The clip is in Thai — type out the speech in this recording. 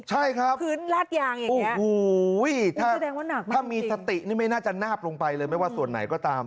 ใช่ครับอู้หูอี้ถ้ามีสติไม่น่าจะนาบลงไปเลยไม่ว่าส่วนไหนก็ตาม